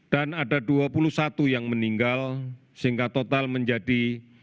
dan ada dua puluh satu yang meninggal sehingga total menjadi